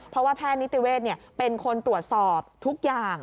เพราะว่าแพทย์นิติเวศเป็นคนตรวจสอบทุกอย่าง